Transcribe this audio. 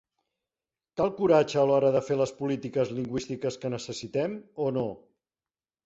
Cal coratge a l'hora de fer les polítiques lingüístiques que necessitem. O no?